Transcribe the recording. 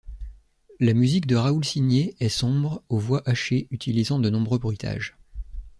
La musique de Raoul Sinier est sombre, aux voix hachées, utilisant de nombreux bruitages.